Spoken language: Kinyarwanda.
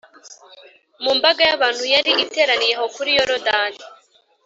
. Mu mbaga y’abantu yari iteraniye aho kuri Yorodani